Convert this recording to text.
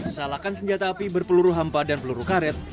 salahkan senjata api berpeluru hampa dan peluru karet